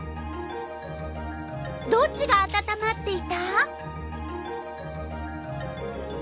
どっちがあたたまっていた？